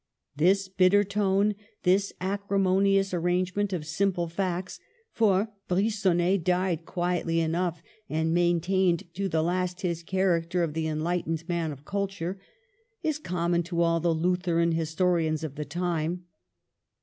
This bitter tone, this acri monious arrangement of simple facts (for Bri gonnet died quietly enough, and maintained to the last his character of the enlightened man of culture), is common to all the Lutheran histo rians of the time.